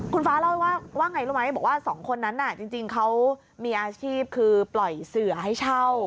คุณฟ้าเล่าว่าไงรู้ไหมบอกว่าสองคนนั้นน่ะจริงเขามีอาชีพคือปล่อยเสือให้เช่า